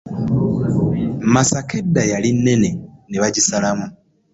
Masaka edda yali nnene ne bagisalamu.